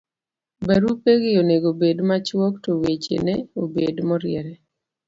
barupegi onego bed machuok to weche ne obed maoriere